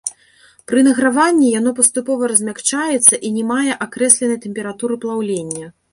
Пры награванні яно паступова размякчаецца і не мае акрэсленай тэмпературы плаўлення.